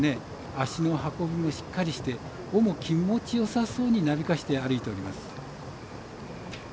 脚の運びもしっかりして尾も気持ちよさそうになびかせて歩いております。